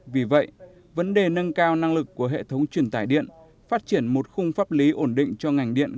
vì vậy vấn đề nâng cao năng lực của hệ thống truyền tải điện phát triển một khung pháp lý ổn định cho ngành điện